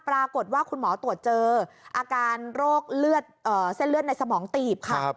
ปรากฏว่าคุณหมอตรวจเจออาการโรคเส้นเลือดในสมองตีบค่ะ